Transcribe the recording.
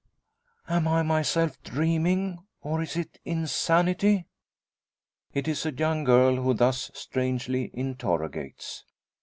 "Am I myself? Dreaming? Or, is it insanity?" It is a young girl who thus strangely interrogates.